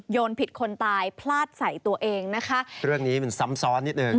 ผิดคนตายพลาดใส่ตัวเองนะคะเรื่องนี้มันซ้ำซ้อนนิดหนึ่ง